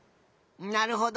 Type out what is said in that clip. なるほど。